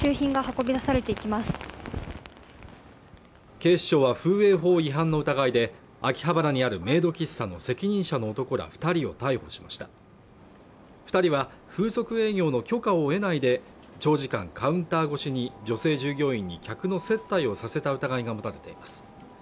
警視庁は風営法違反の疑いで秋葉原にあるメイド喫茶の責任者の男ら二人を逮捕しました二人は風俗営業の許可を得ないで長時間カウンター越しに女性従業員に客の接待をさせた疑いが持たれています